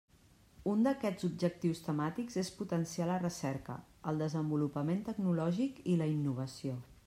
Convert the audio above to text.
Un d'aquests objectius temàtics és potenciar la recerca, el desenvolupament tecnològic i la innovació.